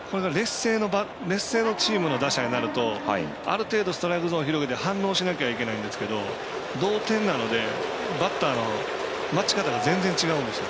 劣勢のチームの打者になるとある程度ストライクゾーン広げて反応しなくちゃいけないんですけど同点なのでバッターの待ち方が全然違うんですよ。